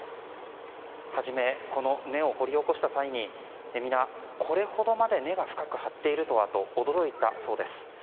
初め、この根を掘り起こした際に皆、これほどまで根が深く張っているとはと驚いたそうです。